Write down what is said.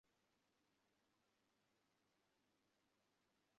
মহেন্দ্র কোনো কথা না বলিয়া ধীরে ধীরে ছাদে পায়চারি করিতে লাগিল।